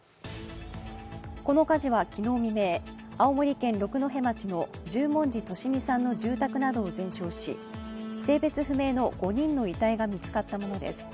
この火事は昨日未明、青森県六戸町の十文字利美さんの住宅などを全焼し、性別不明の５人の遺体が見つかったものです。